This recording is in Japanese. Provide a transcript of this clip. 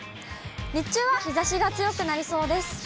日中は日ざしが強くなりそうです。